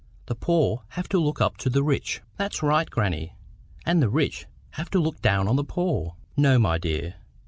The poor have to look up to the rich"— "That's right, grannie! And the rich have to look down on the poor." "No, my dear.